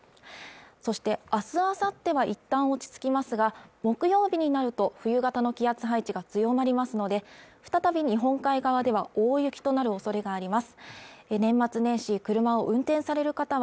そして明日あさってはいったん落ち着きますが木曜日になると冬型の気圧配置が強まりますので再び日本海側では大雪となるおそれがあります